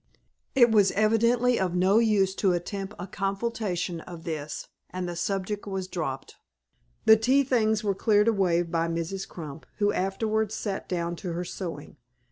It was evidently of no use to attempt a confutation of this, and the subject dropped. The tea things were cleared away by Mrs. Crump, who afterwards sat down to her sewing.